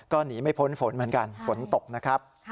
ก็หนีไม่พ้นฝนเหมือนกันฝนตกนะครับ